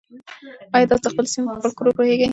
ایا تاسي د خپلې سیمې په فولکلور پوهېږئ؟